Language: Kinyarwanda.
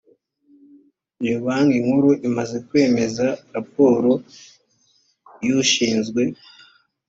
iyo banki nkuru imaze kwemeza raporo y ushinzwe